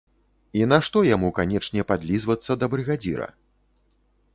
І нашто яму канечне падлізвацца да брыгадзіра?